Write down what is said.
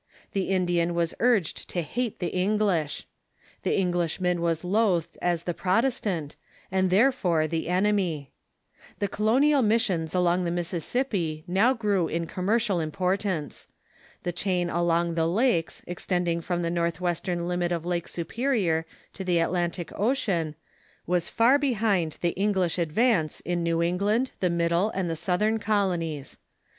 The Indian was urged to hate the English. The Eng lishman was loathed as the Protestant, and therefore the ene my. The colonial missions along thfe Mississippi now grew in commercial importance. The chain along the Lakes, extend ing from the northwestern limit of Lake Superior to the At lantic Ocean, was far behind the English advance in New England, the middle, and the southern colonies.